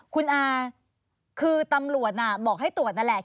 คุณอาคือตำรวจบอกให้ตรวจนั่นแหละ